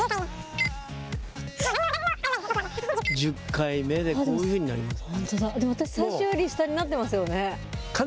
１０回目でこういうふうになります。